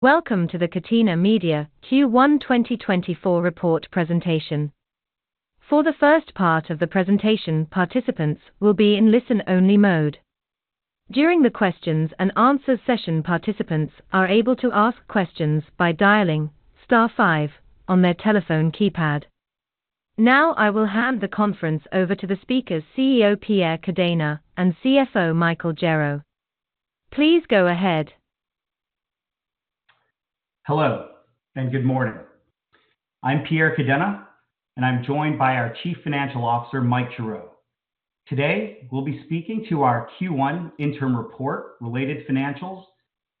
Welcome to the Catena Media Q1 2024 report presentation. For the first part of the presentation, participants will be in listen-only mode. During the questions and answers session, participants are able to ask questions by dialing "Star 5" on their telephone keypad. Now I will hand the conference over to the speakers, CEO Pierre Cadena and CFO Michael Gerrow. Please go ahead. Hello and good morning. I'm Pierre Cadena, and I'm joined by our Chief Financial Officer Mike Gerrow. Today we'll be speaking to our Q1 interim report related financials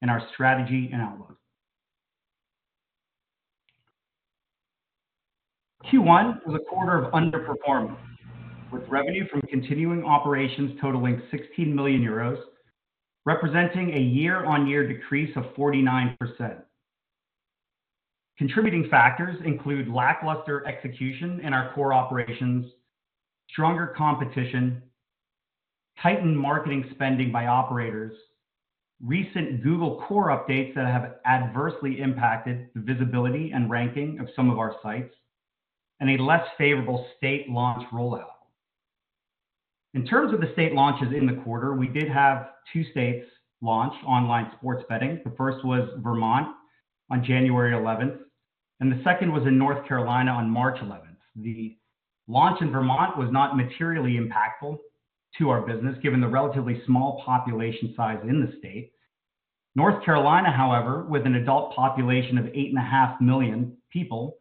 and our strategy and outlook. Q1 was a quarter of underperforming, with revenue from continuing operations totaling 16 million euros, representing a year-on-year decrease of 49%. Contributing factors include lackluster execution in our core operations, stronger competition, tightened marketing spending by operators, recent Google Core Updates that have adversely impacted the visibility and ranking of some of our sites, and a less favorable state launch rollout. In terms of the state launches in the quarter, we did have two states launch online sports betting. The first was Vermont on January 11th, and the second was in North Carolina on March 11th. The launch in Vermont was not materially impactful to our business given the relatively small population size in the state. North Carolina, however, with an adult population of 8.5 million people,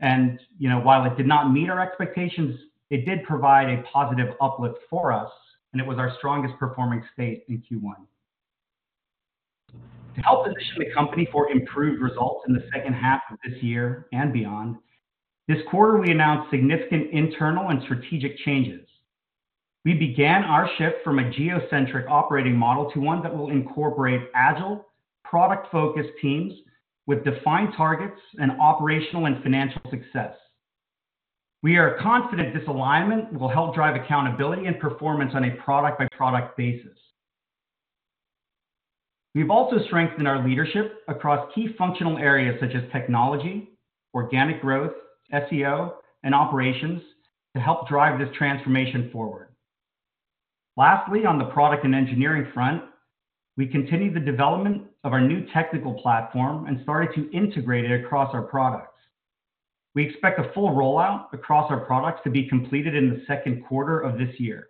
and while it did not meet our expectations, it did provide a positive uplift for us, and it was our strongest performing state in Q1. To help position the company for improved results in the second half of this year and beyond, this quarter we announced significant internal and strategic changes. We began our shift from a geocentric operating model to one that will incorporate agile, product-focused teams with defined targets and operational and financial success. We are confident this alignment will help drive accountability and performance on a product-by-product basis. We've also strengthened our leadership across key functional areas such as technology, organic growth, SEO, and operations to help drive this transformation forward. Lastly, on the product and engineering front, we continued the development of our new technical platform and started to integrate it across our products. We expect a full rollout across our products to be completed in the second quarter of this year.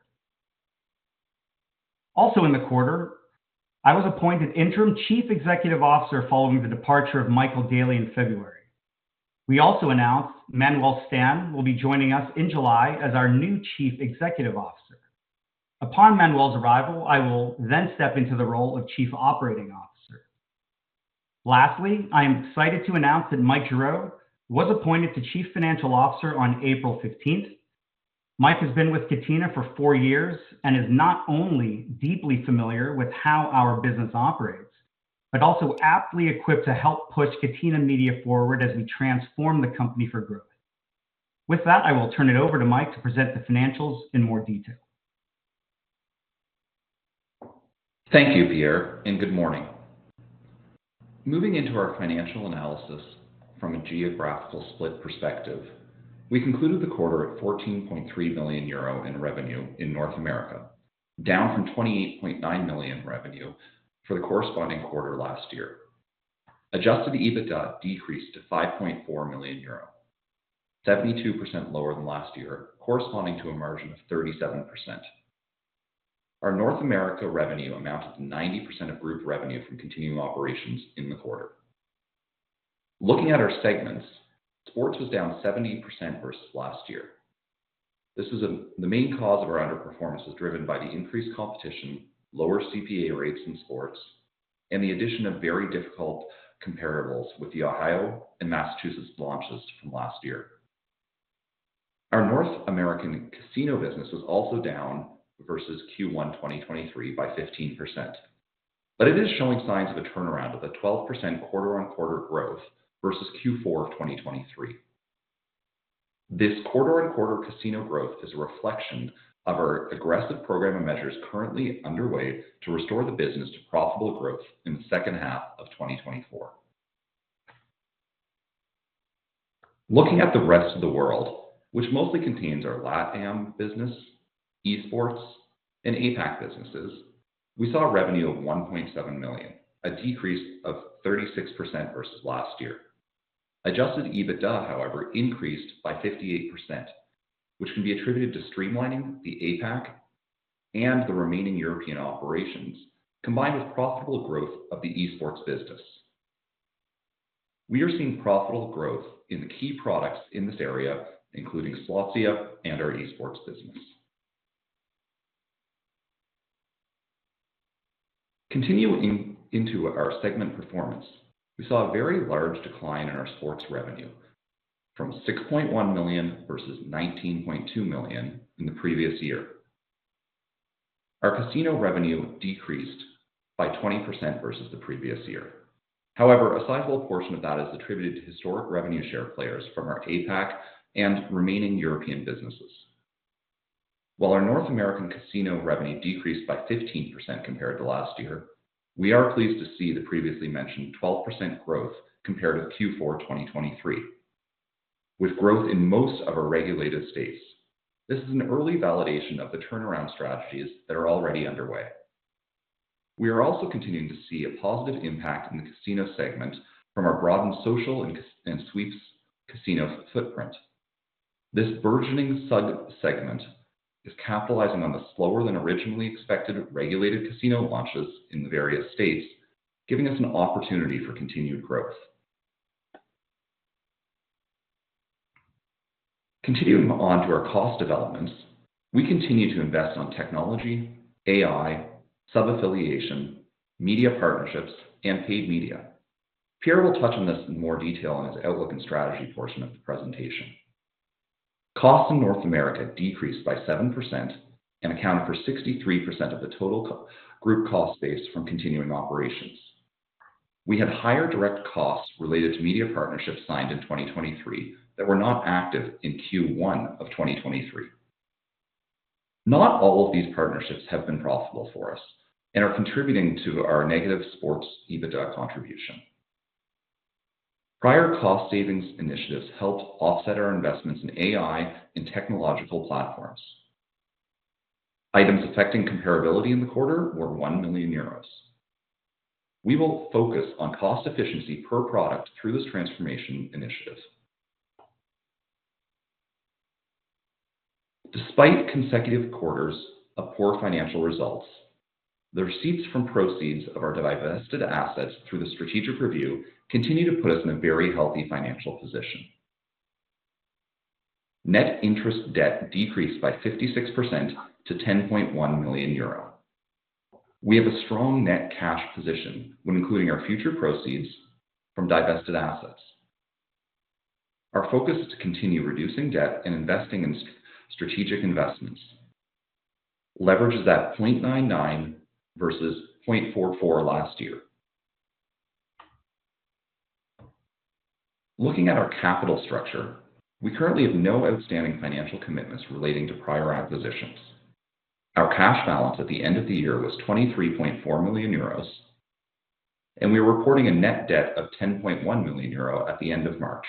Also in the quarter, I was appointed interim Chief Executive Officer following the departure of Michael Daly in February. We also announced Manuel Stan will be joining us in July as our new Chief Executive Officer. Upon Manuel's arrival, I will then step into the role of Chief Operating Officer. Lastly, I am excited to announce that Mike Gerrow was appointed to Chief Financial Officer on April 15th. Mike has been with Catena for four years and is not only deeply familiar with how our business operates, but also aptly equipped to help push Catena Media forward as we transform the company for growth. With that, I will turn it over to Mike to present the financials in more detail. Thank you, Pierre, and good morning. Moving into our financial analysis from a geographical split perspective, we concluded the quarter at 14.3 million euro in revenue in North America, down from 28.9 million revenue for the corresponding quarter last year. Adjusted EBITDA decreased to 5.4 million euro, 72% lower than last year, corresponding to a margin of 37%. Our North America revenue amounted to 90% of group revenue from continuing operations in the quarter. Looking at our segments, sports was down 70% versus last year. This was the main cause of our underperformance was driven by the increased competition, lower CPA rates in sports, and the addition of very difficult comparables with the Ohio and Massachusetts launches from last year. Our North American casino business was also down versus Q1 2023 by 15%, but it is showing signs of a turnaround at the 12% quarter-on-quarter growth versus Q4 of 2023. This quarter-on-quarter casino growth is a reflection of our aggressive program and measures currently underway to restore the business to profitable growth in the second half of 2024. Looking at the rest of the world, which mostly contains our LATAM business, eSports, and APAC businesses, we saw a revenue of 1.7 million, a decrease of 36% versus last year. Adjusted EBITDA, however, increased by 58%, which can be attributed to streamlining the APAC and the remaining European operations combined with profitable growth of the eSports business. We are seeing profitable growth in the key products in this area, including Slotsia and our eSports business. Continuing into our segment performance, we saw a very large decline in our sports revenue from 6.1 million versus 19.2 million in the previous year. Our casino revenue decreased by 20% versus the previous year. However, a sizable portion of that is attributed to historic revenue share players from our APAC and remaining European businesses. While our North American casino revenue decreased by 15% compared to last year, we are pleased to see the previously mentioned 12% growth compared with Q4 2023. With growth in most of our regulated states, this is an early validation of the turnaround strategies that are already underway. We are also continuing to see a positive impact in the casino segment from our broadened social and sweeps casino footprint. This burgeoning subsegment is capitalizing on the slower than originally expected regulated casino launches in the various states, giving us an opportunity for continued growth. Continuing on to our cost developments, we continue to invest on technology, AI, subaffiliation, media partnerships, and paid media. Pierre will touch on this in more detail in his outlook and strategy portion of the presentation. Costs in North America decreased by 7% and accounted for 63% of the total group cost base from continuing operations. We had higher direct costs related to media partnerships signed in 2023 that were not active in Q1 of 2023. Not all of these partnerships have been profitable for us and are contributing to our negative sports EBITDA contribution. Prior cost savings initiatives helped offset our investments in AI and technological platforms. Items affecting comparability in the quarter were 1 million euros. We will focus on cost efficiency per product through this transformation initiative. Despite consecutive quarters of poor financial results, the receipts from proceeds of our divested assets through the strategic review continue to put us in a very healthy financial position. Net interest debt decreased by 56% to 10.1 million euro. We have a strong net cash position when including our future proceeds from divested assets. Our focus is to continue reducing debt and investing in strategic investments. Leverage is at 0.99 versus 0.44 last year. Looking at our capital structure, we currently have no outstanding financial commitments relating to prior acquisitions. Our cash balance at the end of the year was 23.4 million euros, and we were reporting a net debt of 10.1 million euro at the end of March.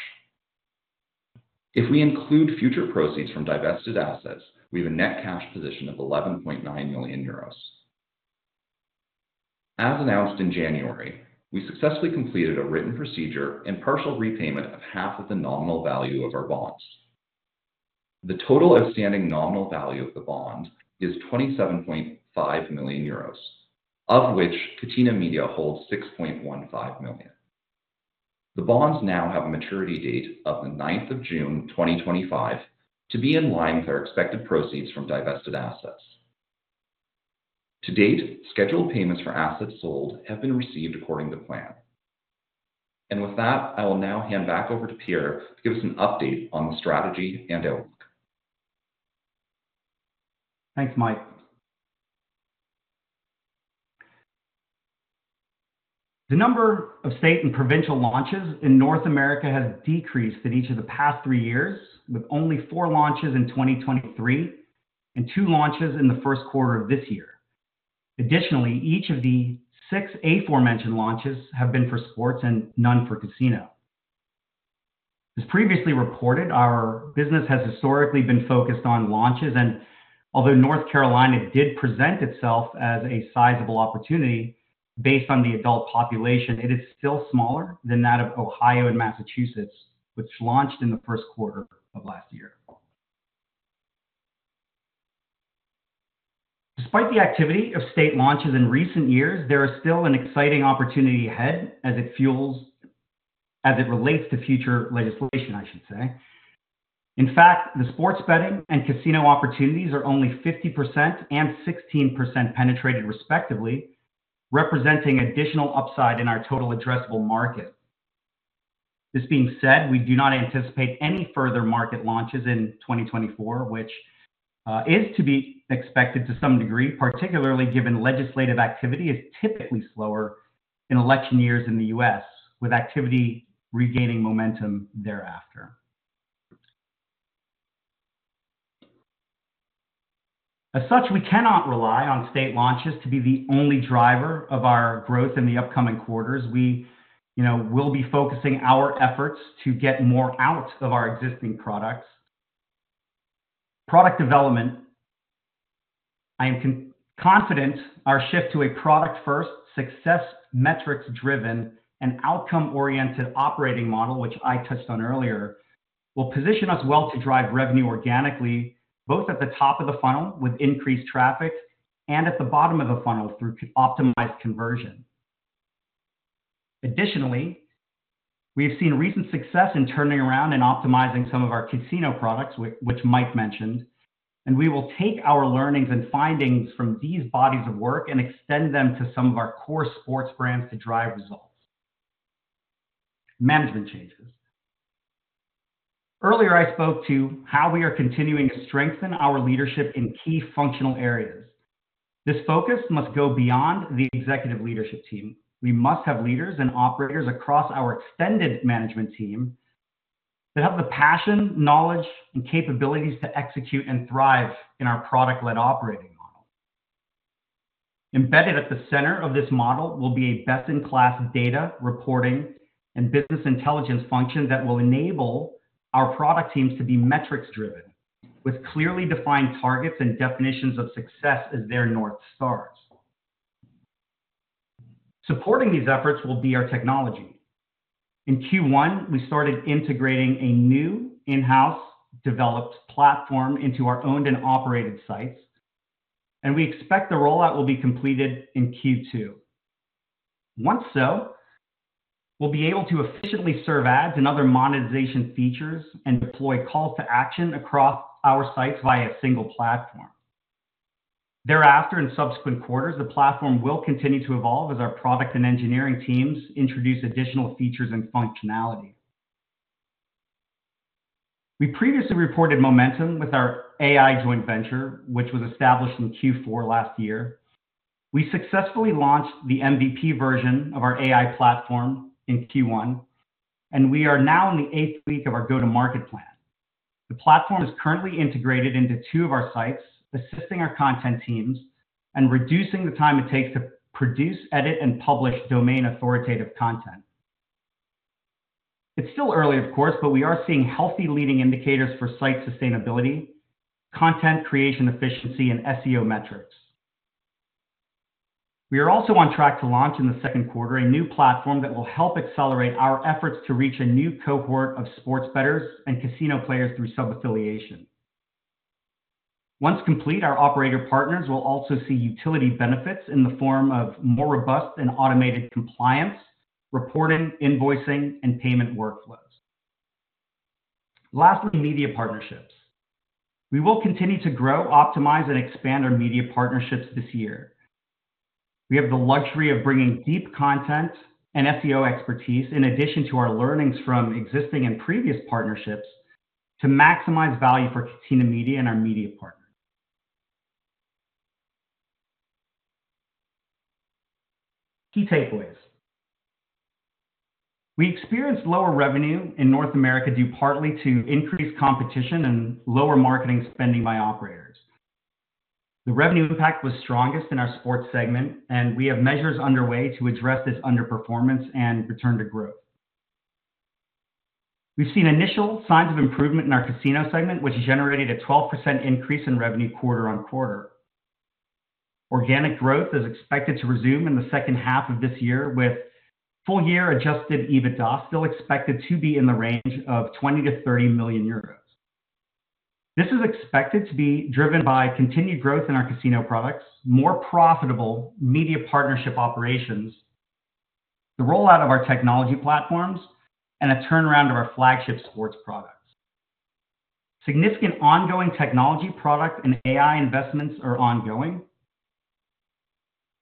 If we include future proceeds from divested assets, we have a net cash position of 11.9 million euros. As announced in January, we successfully completed a written procedure and partial repayment of half of the nominal value of our bonds. The total outstanding nominal value of the bond is 27.5 million euros, of which Catena Media holds 6.15 million. The bonds now have a maturity date of the 9th of June, 2025, to be in line with our expected proceeds from divested assets. To date, scheduled payments for assets sold have been received according to plan. With that, I will now hand back over to Pierre to give us an update on the strategy and outlook. Thanks, Mike. The number of state and provincial launches in North America has decreased in each of the past three years, with only four launches in 2023 and two launches in the first quarter of this year. Additionally, each of the six aforementioned launches have been for sports and none for casino. As previously reported, our business has historically been focused on launches. And although North Carolina did present itself as a sizable opportunity based on the adult population, it is still smaller than that of Ohio and Massachusetts, which launched in the first quarter of last year. Despite the activity of state launches in recent years, there is still an exciting opportunity ahead as it fuels as it relates to future legislation, I should say. In fact, the sports betting and casino opportunities are only 50% and 16% penetrated, respectively, representing additional upside in our total addressable market. This being said, we do not anticipate any further market launches in 2024, which is to be expected to some degree, particularly given legislative activity is typically slower in election years in the U.S., with activity regaining momentum thereafter. As such, we cannot rely on state launches to be the only driver of our growth in the upcoming quarters. We will be focusing our efforts to get more out of our existing products. Product development, I am confident our shift to a product-first, success metrics-driven, and outcome-oriented operating model, which I touched on earlier, will position us well to drive revenue organically, both at the top of the funnel with increased traffic and at the bottom of the funnel through optimized conversion. Additionally, we have seen recent success in turning around and optimizing some of our casino products, which Mike mentioned. We will take our learnings and findings from these bodies of work and extend them to some of our core sports brands to drive results. Management changes. Earlier, I spoke to how we are continuing to strengthen our leadership in key functional areas. This focus must go beyond the executive leadership team. We must have leaders and operators across our extended management team that have the passion, knowledge, and capabilities to execute and thrive in our product-led operating model. Embedded at the center of this model will be a best-in-class data reporting and business intelligence function that will enable our product teams to be metrics-driven with clearly defined targets and definitions of success as their north stars. Supporting these efforts will be our technology. In Q1, we started integrating a new in-house developed platform into our owned and operated sites. We expect the rollout will be completed in Q2. Once so, we'll be able to efficiently serve ads and other monetization features and deploy calls to action across our sites via a single platform. Thereafter, in subsequent quarters, the platform will continue to evolve as our product and engineering teams introduce additional features and functionality. We previously reported momentum with our AI joint venture, which was established in Q4 last year. We successfully launched the MVP version of our AI platform in Q1, and we are now in the eighth week of our go-to-market plan. The platform is currently integrated into two of our sites, assisting our content teams and reducing the time it takes to produce, edit, and publish domain authoritative content. It's still early, of course, but we are seeing healthy leading indicators for site sustainability, content creation efficiency, and SEO metrics. We are also on track to launch in the second quarter a new platform that will help accelerate our efforts to reach a new cohort of sports bettors and casino players through subaffiliation. Once complete, our operator partners will also see utility benefits in the form of more robust and automated compliance reporting, invoicing, and payment workflows. Lastly, media partnerships. We will continue to grow, optimize, and expand our media partnerships this year. We have the luxury of bringing deep content and SEO expertise, in addition to our learnings from existing and previous partnerships, to maximize value for Catena Media and our media partners. Key takeaways. We experienced lower revenue in North America due partly to increased competition and lower marketing spending by operators. The revenue impact was strongest in our sports segment, and we have measures underway to address this underperformance and return to growth. We've seen initial signs of improvement in our casino segment, which generated a 12% increase in revenue quarter-over-quarter. Organic growth is expected to resume in the second half of this year, with full-year Adjusted EBITDA still expected to be in the range of 20-30 million euros. This is expected to be driven by continued growth in our casino products, more profitable media partnership operations, the rollout of our technology platforms, and a turnaround of our flagship sports products. Significant ongoing technology product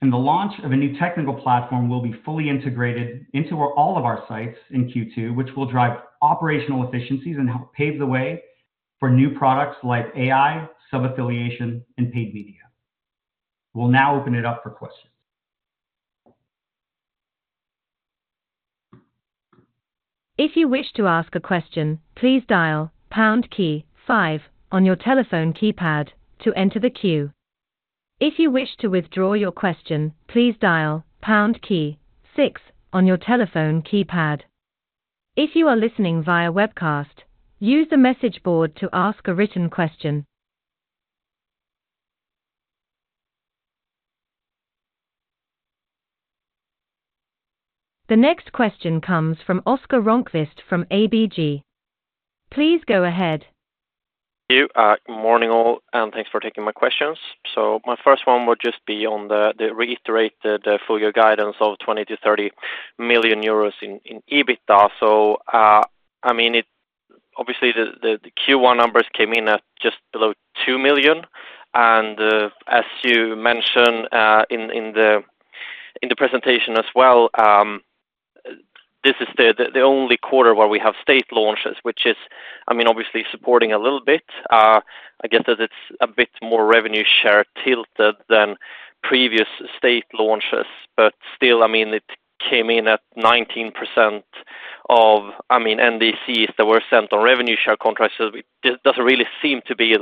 and AI investments are ongoing. The launch of a new technical platform will be fully integrated into all of our sites in Q2, which will drive operational efficiencies and pave the way for new products like AI, subaffiliation, and paid media. We'll now open it up for questions. If you wish to ask a question, please dial pound key 5 on your telephone keypad to enter the queue. If you wish to withdraw your question, please dial pound key 6 on your telephone keypad. If you are listening via webcast, use the message board to ask a written question. The next question comes from Oscar Rönnkvist from ABG. Please go ahead. Good morning, all, and thanks for taking my questions. So my first one would just be on the reiterated full-year guidance of 20 million-30 million euros in EBITDA. So I mean, obviously, the Q1 numbers came in at just below 2 million. And as you mentioned in the presentation as well, this is the only quarter where we have state launches, which is, I mean, obviously supporting a little bit. I guess that it's a bit more revenue share tilted than previous state launches. But still, I mean, it came in at 19% of NDCs that were sent on revenue share contracts. So it doesn't really seem to be a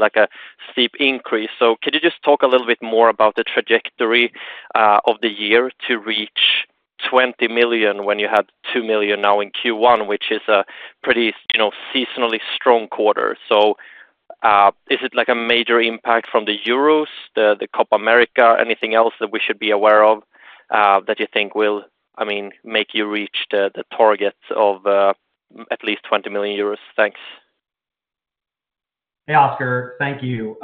steep increase. So could you just talk a little bit more about the trajectory of the year to reach 20 million when you had 2 million now in Q1, which is a pretty seasonally strong quarter? Is it a major impact from the Euros, the Copa América, anything else that we should be aware of that you think will make you reach the targets of at least 20 million euros? Thanks. Hey, Oscar. Thank you.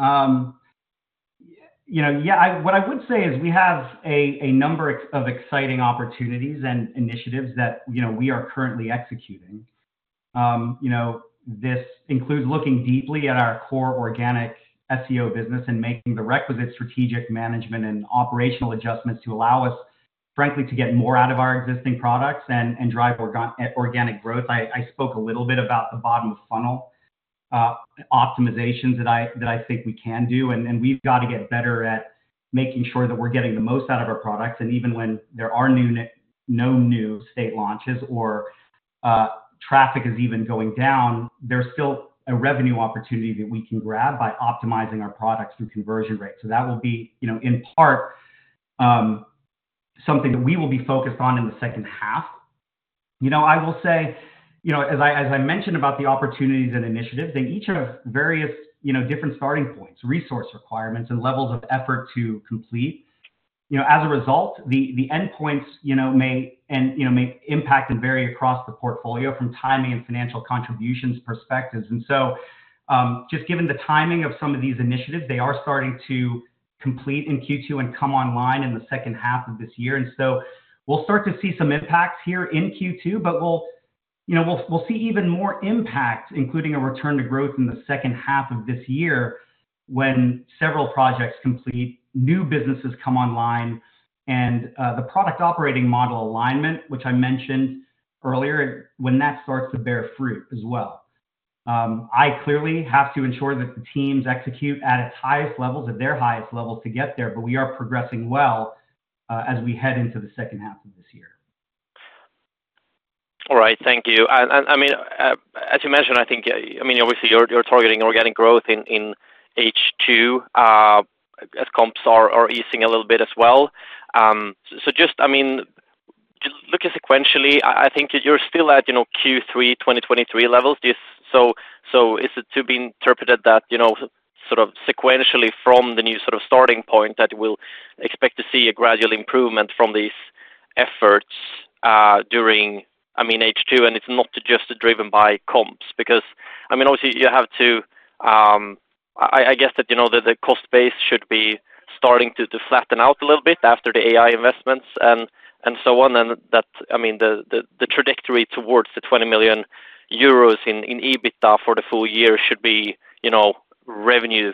Yeah, what I would say is we have a number of exciting opportunities and initiatives that we are currently executing. This includes looking deeply at our core organic SEO business and making the requisite strategic management and operational adjustments to allow us, frankly, to get more out of our existing products and drive organic growth. I spoke a little bit about the bottom of funnel optimizations that I think we can do. And we've got to get better at making sure that we're getting the most out of our products. And even when there are no new state launches or traffic is even going down, there's still a revenue opportunity that we can grab by optimizing our products through conversion rates. So that will be, in part, something that we will be focused on in the second half. I will say, as I mentioned about the opportunities and initiatives, they each have various different starting points, resource requirements, and levels of effort to complete. As a result, the endpoints may impact and vary across the portfolio from timing and financial contributions perspectives. And so just given the timing of some of these initiatives, they are starting to complete in Q2 and come online in the second half of this year. And so we'll start to see some impacts here in Q2, but we'll see even more impact, including a return to growth in the second half of this year when several projects complete, new businesses come online, and the product operating model alignment, which I mentioned earlier, when that starts to bear fruit as well. I clearly have to ensure that the teams execute at its highest levels, at their highest levels to get there. We are progressing well as we head into the second half of this year. All right. Thank you. And I mean, as you mentioned, I think, I mean, obviously, you're targeting organic growth in H2 as comps are easing a little bit as well. So just, I mean, look at sequentially. I think you're still at Q3, 2023 levels. So is it to be interpreted that sort of sequentially from the new sort of starting point that we'll expect to see a gradual improvement from these efforts during, I mean, H2? And it's not just driven by comps because, I mean, obviously, you have to I guess that the cost base should be starting to flatten out a little bit after the AI investments and so on. And that, I mean, the trajectory towards the 20 million euros in EBITDA for the full year should be revenue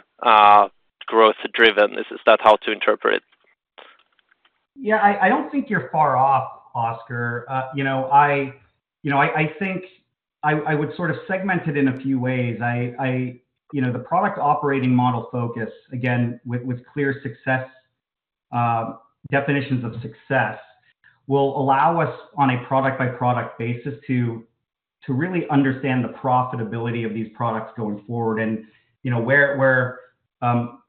growth-driven. Is that how to interpret it? Yeah, I don't think you're far off, Oscar. I think I would sort of segment it in a few ways. The product operating model focus, again, with clear definitions of success, will allow us on a product-by-product basis to really understand the profitability of these products going forward. And where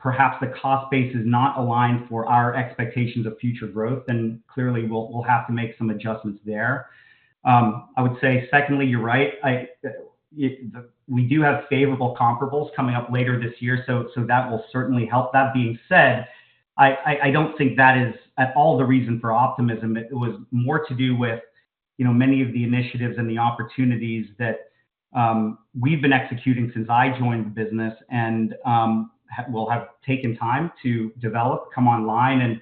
perhaps the cost base is not aligned for our expectations of future growth, then clearly, we'll have to make some adjustments there. I would say, secondly, you're right. We do have favorable comparables coming up later this year, so that will certainly help. That being said, I don't think that is at all the reason for optimism. It was more to do with many of the initiatives and the opportunities that we've been executing since I joined the business and will have taken time to develop, come online.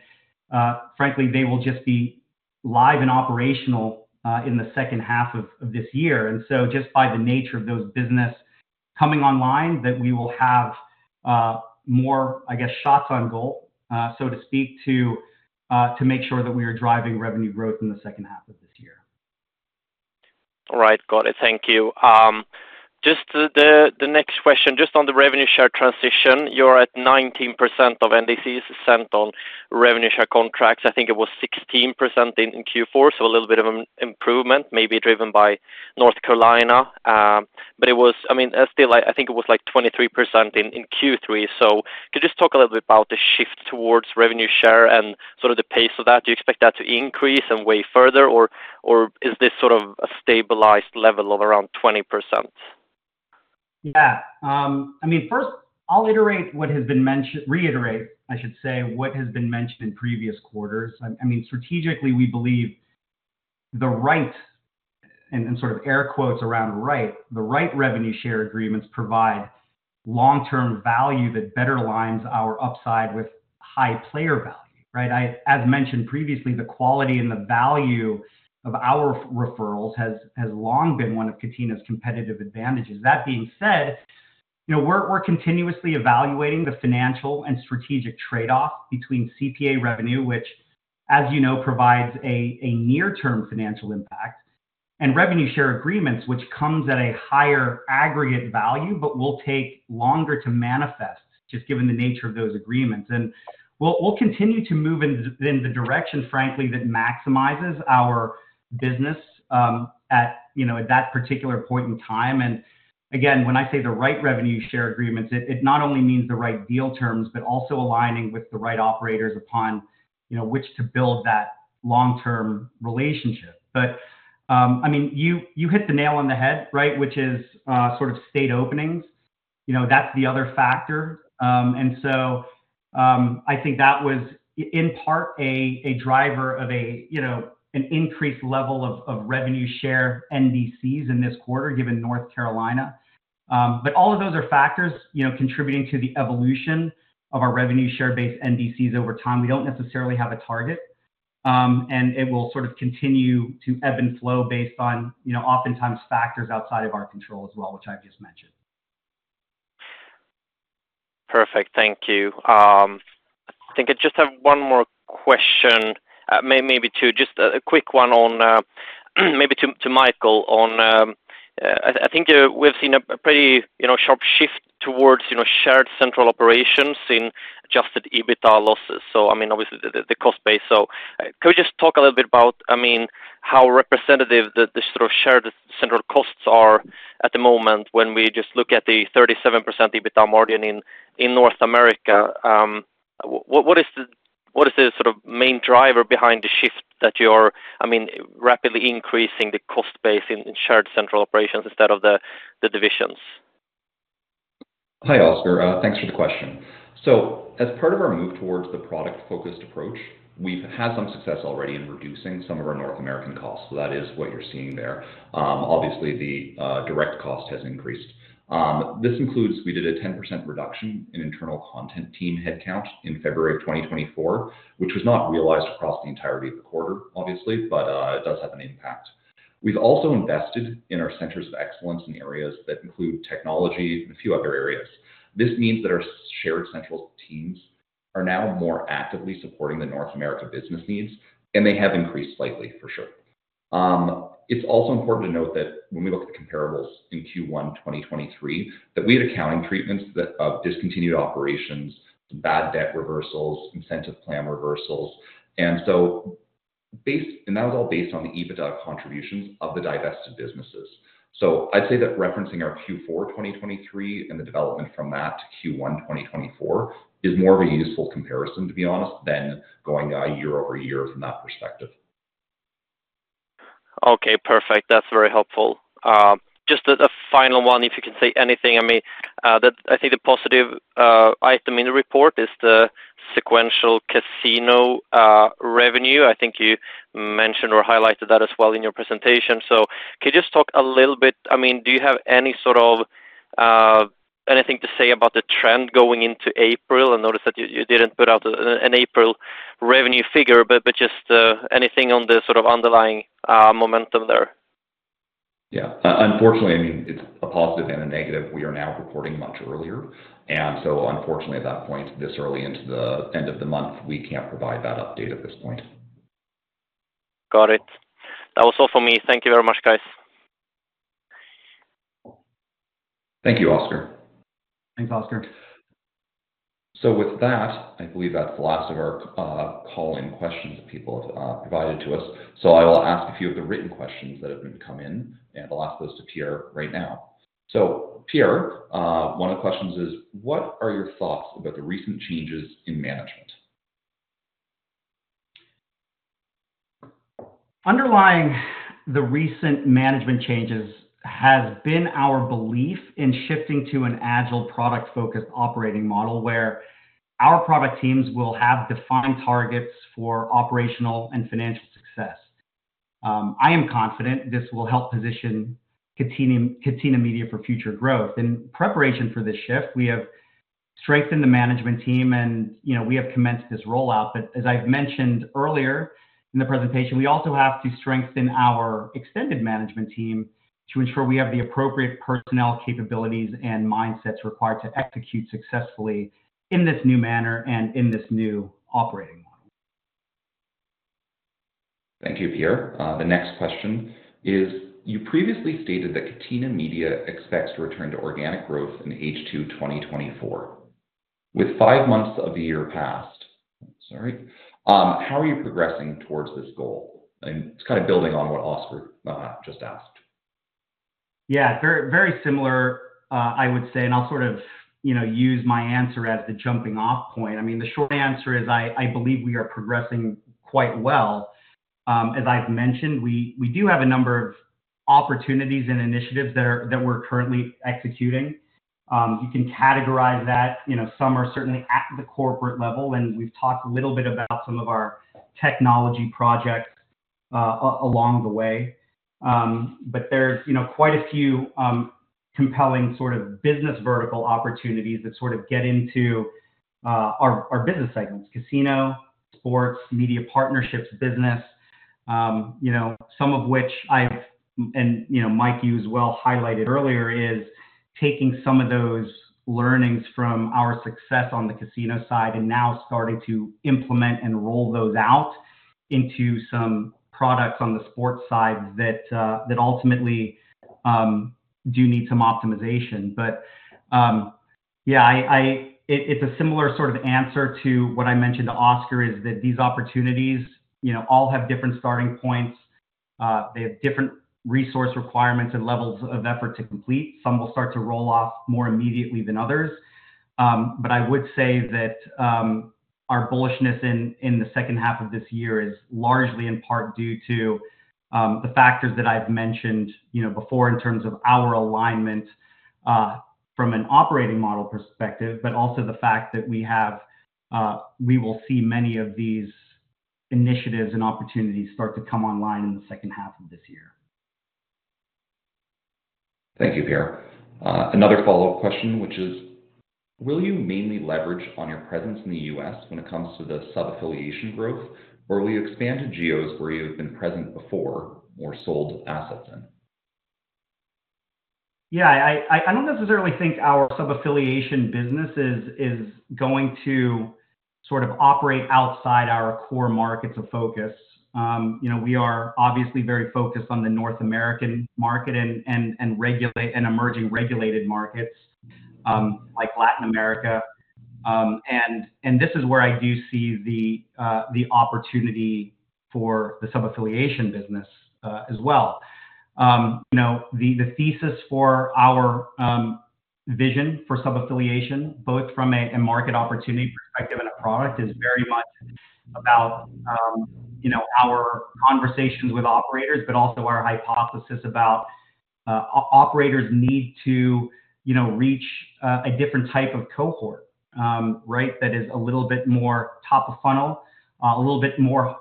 Frankly, they will just be live and operational in the second half of this year. So just by the nature of those business coming online, that we will have more, I guess, shots on goal, so to speak, to make sure that we are driving revenue growth in the second half of this year. All right. Got it. Thank you. Just the next question, just on the revenue share transition, you're at 19% of NDCs sent on revenue share contracts. I think it was 16% in Q4, so a little bit of an improvement, maybe driven by North Carolina. But it was, I mean, still, I think it was like 23% in Q3. So could you just talk a little bit about the shift towards revenue share and sort of the pace of that? Do you expect that to increase and way further, or is this sort of a stabilized level of around 20%? Yeah. I mean, first, I'll reiterate what has been mentioned in previous quarters. I mean, strategically, we believe the right and sort of air quotes around right, the right revenue share agreements provide long-term value that better aligns our upside with high player value, right? As mentioned previously, the quality and the value of our referrals has long been one of Catena's competitive advantages. That being said, we're continuously evaluating the financial and strategic trade-off between CPA revenue, which, as you know, provides a near-term financial impact, and revenue share agreements, which comes at a higher aggregate value but will take longer to manifest, just given the nature of those agreements. We'll continue to move in the direction, frankly, that maximizes our business at that particular point in time. And again, when I say the right revenue share agreements, it not only means the right deal terms but also aligning with the right operators upon which to build that long-term relationship. But I mean, you hit the nail on the head, right, which is sort of state openings. That's the other factor. And so I think that was, in part, a driver of an increased level of revenue share NDCs in this quarter, given North Carolina. But all of those are factors contributing to the evolution of our revenue share-based NDCs over time. We don't necessarily have a target, and it will sort of continue to ebb and flow based on, oftentimes, factors outside of our control as well, which I've just mentioned. Perfect. Thank you. I think I just have one more question, maybe two, just a quick one maybe to Michael on I think we've seen a pretty sharp shift towards shared central operations in Adjusted EBITDA losses. So I mean, obviously, the cost base. So could we just talk a little bit about, I mean, how representative the sort of shared central costs are at the moment when we just look at the 37% EBITDA margin in North America? What is the sort of main driver behind the shift that you are, I mean, rapidly increasing the cost base in shared central operations instead of the divisions? Hi, Oscar. Thanks for the question. So as part of our move towards the product-focused approach, we've had some success already in reducing some of our North American costs. So that is what you're seeing there. Obviously, the direct cost has increased. This includes we did a 10% reduction in internal content team headcount in February of 2024, which was not realized across the entirety of the quarter, obviously, but it does have an impact. We've also invested in our centers of excellence in areas that include technology and a few other areas. This means that our shared central teams are now more actively supporting the North America business needs, and they have increased slightly, for sure. It's also important to note that when we look at the comparables in Q1 2023, that we had accounting treatments of discontinued operations, some bad debt reversals, incentive plan reversals. And that was all based on the EBITDA contributions of the divested businesses. So I'd say that referencing our Q4 2023 and the development from that to Q1 2024 is more of a useful comparison, to be honest, than going year-over-year from that perspective. Okay. Perfect. That's very helpful. Just a final one, if you can say anything. I mean, I think the positive item in the report is the sequential casino revenue. I think you mentioned or highlighted that as well in your presentation. So could you just talk a little bit? I mean, do you have anything to say about the trend going into April? I noticed that you didn't put out an April revenue figure, but just anything on the sort of underlying momentum there? Yeah. Unfortunately, I mean, it's a positive and a negative. We are now reporting much earlier. And so unfortunately, at that point, this early into the end of the month, we can't provide that update at this point. Got it. That was all from me. Thank you very much, guys. Thank you, Oscar. Thanks, Oscar. So with that, I believe that's the last of our call-in questions that people have provided to us. So I will ask a few of the written questions that have come in, and I'll ask those to Pierre right now. So Pierre, one of the questions is, what are your thoughts about the recent changes in management? Underlying the recent management changes has been our belief in shifting to an agile, product-focused operating model where our product teams will have defined targets for operational and financial success. I am confident this will help position Catena Media for future growth. In preparation for this shift, we have strengthened the management team, and we have commenced this rollout. But as I've mentioned earlier in the presentation, we also have to strengthen our extended management team to ensure we have the appropriate personnel capabilities and mindsets required to execute successfully in this new manner and in this new operating model. Thank you, Pierre. The next question is, you previously stated that Catena Media expects to return to organic growth in H2 2024. With five months of the year past, sorry. How are you progressing towards this goal? And it's kind of building on what Oscar just asked. Yeah, very similar, I would say. And I'll sort of use my answer as the jumping-off point. I mean, the short answer is I believe we are progressing quite well. As I've mentioned, we do have a number of opportunities and initiatives that we're currently executing. You can categorize that. Some are certainly at the corporate level, and we've talked a little bit about some of our technology projects along the way. But there's quite a few compelling sort of business vertical opportunities that sort of get into our business segments: casino, sports, media partnerships, business, some of which I've, and Mike, you as well, highlighted earlier is taking some of those learnings from our success on the casino side and now starting to implement and roll those out into some products on the sports sides that ultimately do need some optimization. But yeah, it's a similar sort of answer to what I mentioned to Oscar is that these opportunities all have different starting points. They have different resource requirements and levels of effort to complete. Some will start to roll off more immediately than others. But I would say that our bullishness in the second half of this year is largely in part due to the factors that I've mentioned before in terms of our alignment from an operating model perspective, but also the fact that we will see many of these initiatives and opportunities start to come online in the second half of this year. Thank you, Pierre. Another follow-up question, which is, will you mainly leverage on your presence in the U.S. when it comes to the subaffiliation growth, or will you expand to geos where you have been present before or sold assets in? Yeah, I don't necessarily think our subaffiliation business is going to sort of operate outside our core markets of focus. We are obviously very focused on the North American market and emerging regulated markets like Latin America. And this is where I do see the opportunity for the subaffiliation business as well. The thesis for our vision for subaffiliation, both from a market opportunity perspective and a product, is very much about our conversations with operators, but also our hypothesis about operators' need to reach a different type of cohort, right, that is a little bit more top of funnel, a little bit more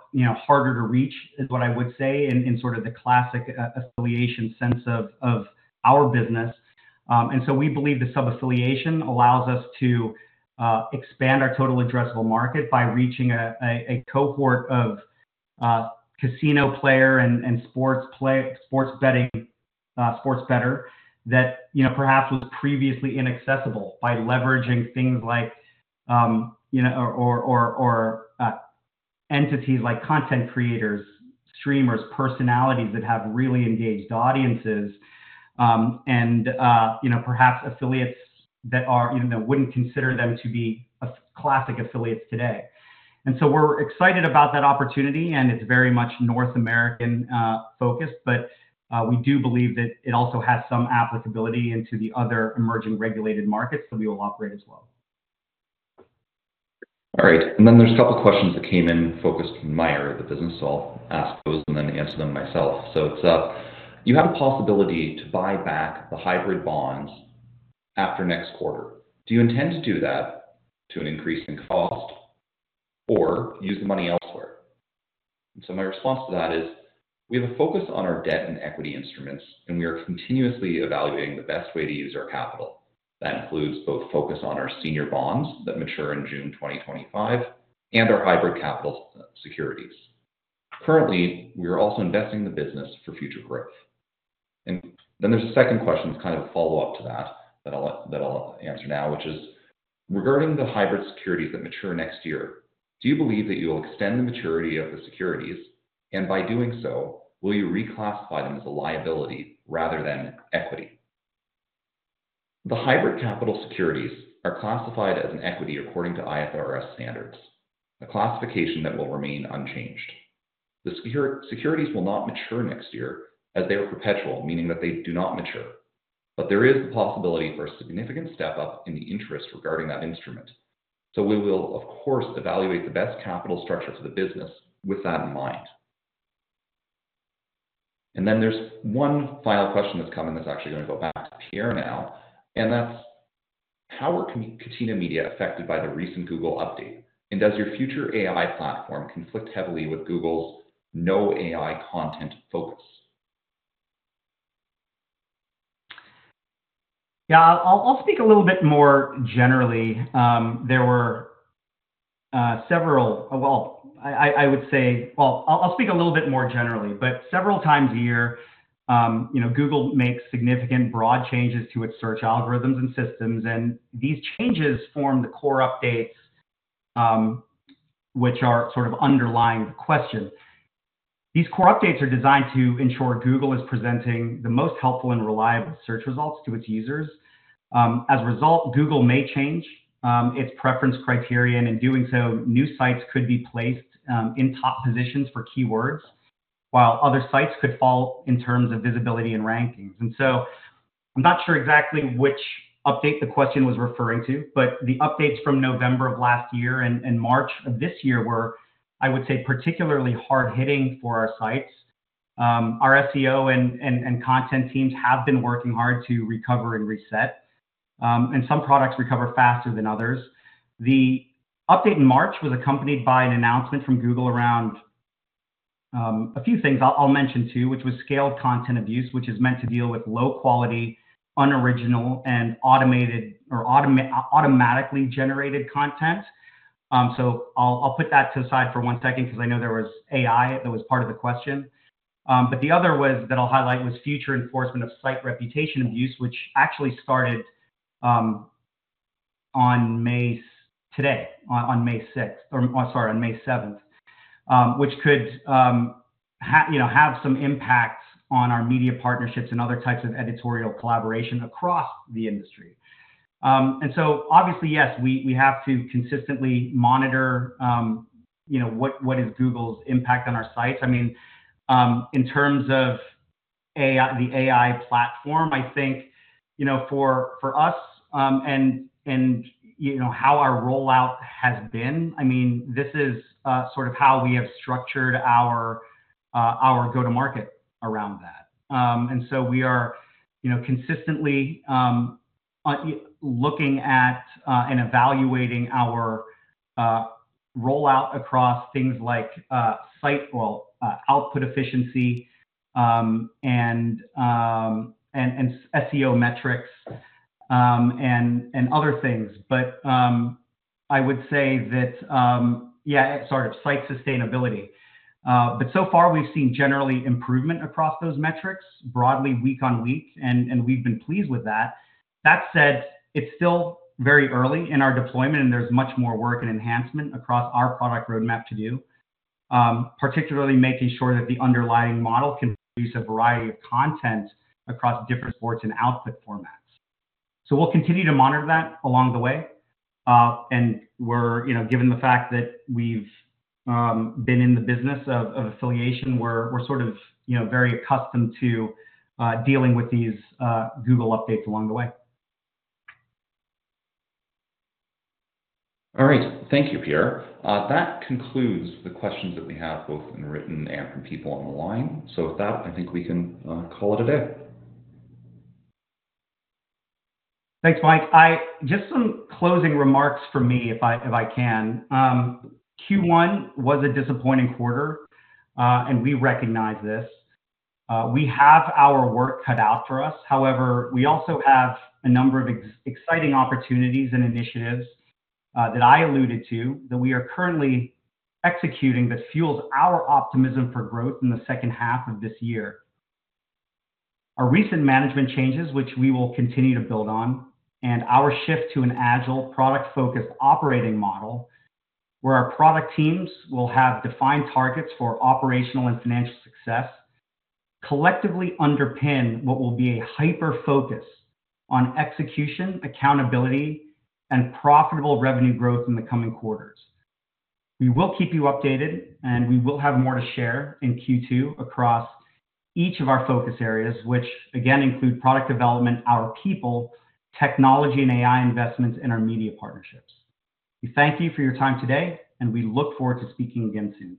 harder to reach, is what I would say, in sort of the classic affiliation sense of our business. We believe the subaffiliation allows us to expand our total addressable market by reaching a cohort of casino players and sports bettors that perhaps was previously inaccessible by leveraging things like, or entities like, content creators, streamers, personalities that have really engaged audiences, and perhaps affiliates that wouldn't consider them to be classic affiliates today. And so we're excited about that opportunity, and it's very much North American focused, but we do believe that it also has some applicability into the other emerging regulated markets that we will operate as well. All right. And then there's a couple of questions that came in focused from my area, the business. So I'll ask those and then answer them myself. So it's, you have the possibility to buy back the hybrid bonds after next quarter. Do you intend to do that to an increase in cost or use the money elsewhere? And so my response to that is, we have a focus on our debt and equity instruments, and we are continuously evaluating the best way to use our capital. That includes both focus on our senior bonds that mature in June 2025 and our hybrid capital securities. Currently, we are also investing the business for future growth. And then there's a second question. It's kind of a follow-up to that that I'll answer now, which is, regarding the hybrid securities that mature next year, do you believe that you will extend the maturity of the securities? And by doing so, will you reclassify them as a liability rather than equity? The hybrid capital securities are classified as an equity according to IFRS standards, a classification that will remain unchanged. The securities will not mature next year as they are perpetual, meaning that they do not mature. But there is the possibility for a significant step up in the interest regarding that instrument. So we will, of course, evaluate the best capital structure for the business with that in mind. And then there's one final question that's coming. That's actually going to go back to Pierre now. And that's, how are Catena Media affected by the recent Google update? Does your future AI platform conflict heavily with Google's no AI content focus? Yeah, I'll speak a little bit more generally. But several times a year, Google makes significant broad changes to its search algorithms and systems. And these changes form the core updates, which are sort of underlying the question. These core updates are designed to ensure Google is presenting the most helpful and reliable search results to its users. As a result, Google may change its preference criteria. And in doing so, new sites could be placed in top positions for keywords, while other sites could fall in terms of visibility and rankings. And so I'm not sure exactly which update the question was referring to, but the updates from November of last year and March of this year were, I would say, particularly hard-hitting for our sites. Our SEO and content teams have been working hard to recover and reset. Some products recover faster than others. The update in March was accompanied by an announcement from Google around a few things I'll mention too, which was scaled content abuse, which is meant to deal with low-quality, unoriginal, and automated or automatically generated content. I'll put that to the side for one second because I know there was AI that was part of the question. The other that I'll highlight was future enforcement of site reputation abuse, which actually started today, on May 6th or, sorry, on May 7th, which could have some impact on our media partnerships and other types of editorial collaboration across the industry. Obviously, yes, we have to consistently monitor what is Google's impact on our sites. I mean, in terms of the AI platform, I think for us and how our rollout has been, I mean, this is sort of how we have structured our go-to-market around that. And so we are consistently looking at and evaluating our rollout across things like output efficiency and SEO metrics and other things. But I would say that yeah, sorry, site sustainability. But so far, we've seen generally improvement across those metrics broadly, week on week. And we've been pleased with that. That said, it's still very early in our deployment, and there's much more work and enhancement across our product roadmap to do, particularly making sure that the underlying model can produce a variety of content across different sports and output formats. So we'll continue to monitor that along the way. Given the fact that we've been in the business of affiliation, we're sort of very accustomed to dealing with these Google updates along the way. All right. Thank you, Pierre. That concludes the questions that we have, both in written and from people on the line. So with that, I think we can call it a day. Thanks, Mike. Just some closing remarks from me, if I can. Q1 was a disappointing quarter, and we recognize this. We have our work cut out for us. However, we also have a number of exciting opportunities and initiatives that I alluded to that we are currently executing that fuels our optimism for growth in the second half of this year. Our recent management changes, which we will continue to build on, and our shift to an agile, product-focused operating model where our product teams will have defined targets for operational and financial success collectively underpin what will be a hyper-focus on execution, accountability, and profitable revenue growth in the coming quarters. We will keep you updated, and we will have more to share in Q2 across each of our focus areas, which, again, include product development, our people, technology and AI investments, and our media partnerships. We thank you for your time today, and we look forward to speaking again soon.